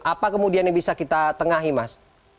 apa kemudian yang bisa kita tengahi mas